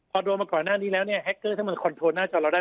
หักเกอร์ถ้ามันคอนโทรนหน้าจอเราได้